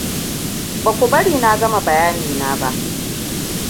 Baku bari na gama bayani na ba.